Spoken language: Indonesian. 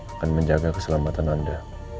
akan menjaga keselamatan anda